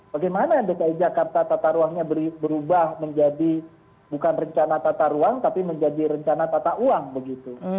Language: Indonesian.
bagaimana dki jakarta tata ruangnya berubah menjadi bukan rencana tata ruang tapi menjadi rencana tata uang begitu